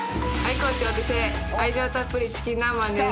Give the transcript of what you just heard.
コーチお手製愛情たっぷりチキン南蛮です。